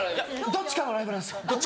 どっちかのライブなんですよ。